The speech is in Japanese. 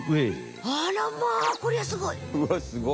あらまこりゃすごい！